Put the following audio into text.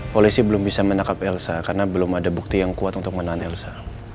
polisi belum bisa menangkap elsa karena belum ada bukti yang kuat untuk menahan elsa